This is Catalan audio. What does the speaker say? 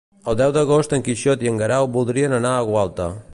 El deu d'agost en Quixot i en Guerau voldrien anar a Gualta.